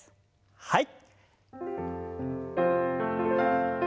はい。